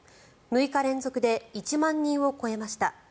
６日連続で１万人を超えました。